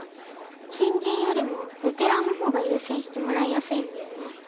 新人よりもベテランのほうが優先してもらいやすいんだよね。